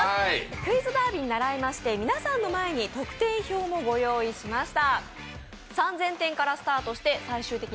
「クイズダービー」にならいまして、皆さんの前に得点表もご用意しました。